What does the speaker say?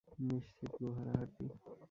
নিশ্চিত গো-হারা হারতি।